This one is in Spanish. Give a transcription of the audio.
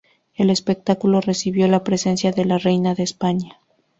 El espectáculo recibió la presencia de la Reina de España.